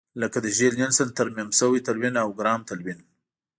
لکه د ژیل نیلسن ترمیم شوی تلوین او ګرام تلوین.